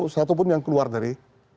satu pun yang keluar dari